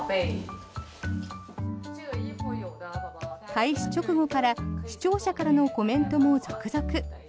開始直後から視聴者からのコメントも続々。